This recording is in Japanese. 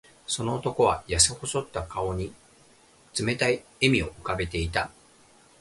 その男は、やせ細った顔に冷たい笑みを浮かべていた。